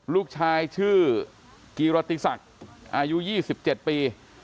ลูกชายชื่อกิรติศักดิ์อายุ๒๗ปี